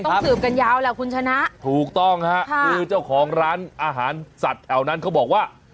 สืบกันยาวแหละคุณชนะถูกต้องฮะคือเจ้าของร้านอาหารสัตว์แถวนั้นเขาบอกว่า